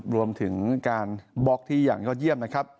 รวมถึงการบล็อกที่อย่างยอดเยี่ยมนะครับ